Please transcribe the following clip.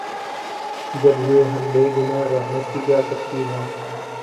جب ہوئے ہم بے گنہ‘ رحمت کی کیا تفصیر ہے؟